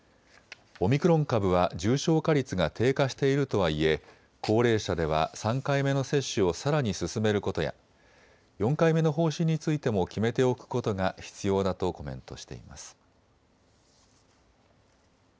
オミクロン株は重症化率が低下しているとはいえ高齢者では３回目の接種をさらに進めることや４回目の方針についても決めておくことが必要だとコメントしています。